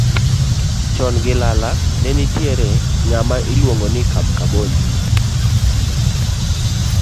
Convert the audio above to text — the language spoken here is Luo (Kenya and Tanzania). Chon gi lala ne nitiere ng'ama iluono ni Kabonyi.